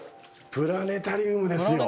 プラネタリウムですよ。